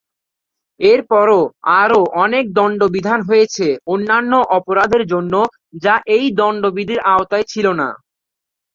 এর পরও আরও অনেক দন্ড বিধান হয়েছে অন্যান্য অপরাধের জন্য যা এই দন্ড বিধির আওতায় ছিল না।